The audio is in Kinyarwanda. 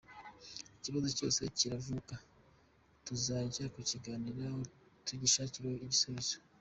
Ikibazo cyose kizavuka tuzajya tukiganiraho tugishakire igisubizo.